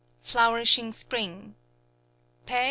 .. Flourishing Spring Pe koe